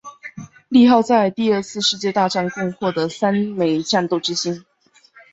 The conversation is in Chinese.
利号在第二次世界大战共获得三枚战斗之星。